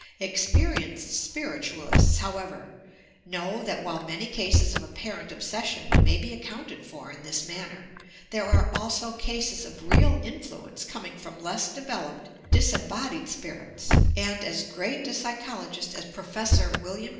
Experienced Spiritual ists, however, know that while many cases of appar ent obsession may be accounted for in this manner, there are also cases of real influence coming from less devel oped, disembodied spirits, and as great a psychologist as Prof. Wm.